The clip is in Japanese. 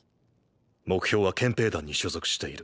目標は憲兵団に所属している。